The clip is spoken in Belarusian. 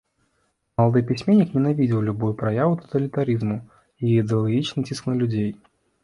Малады пісьменнік ненавідзеў любую праяву таталітарызму і ідэалагічны ціск на людзей.